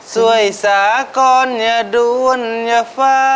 สวยอยู่สาก้อนอย่าดุ้นอย่าเฝ้า